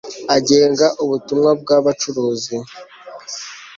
AGENGA UBUTUMWA BW UBUCURUZI